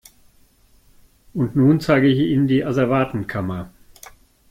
Und nun zeige ich Ihnen die Asservatenkammer.